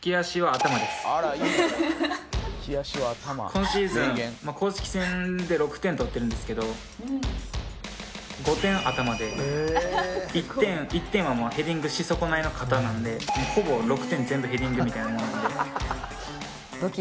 今シーズン公式戦で６点取ってるんですけど５点頭で１点はヘディングし損ないの肩なのでほぼ６点全部ヘディングみたいなもんなので。